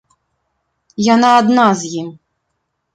Яна адна з ім.